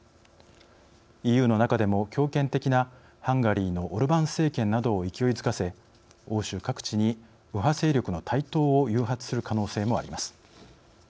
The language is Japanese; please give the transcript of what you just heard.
ＥＵの中でも強権的なハンガリーのオルバン政権などを勢いづかせ欧州各地に右派勢力の台頭を誘発する可能性もあります。